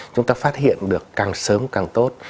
chúng ta phát hiện được càng sớm càng tốt